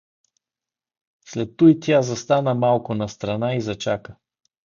След туй тя застана малко настрана и зачака.